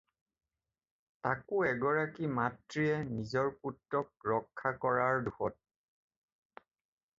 তাকো এগৰাকী মাতৃয়ে নিজ পুত্ৰক ৰক্ষা কৰাৰ দোষত।